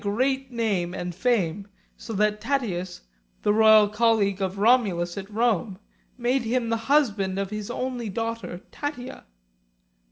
3 name and fame, so that Tatius, the royal colleague of Romulus at Rome, made him the husband of his only daughter, Tatia.